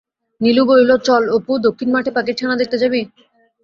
নীলু বলিল, চল অপু, দক্ষিণ মাঠে পাখির ছানা দেখতে যাবি?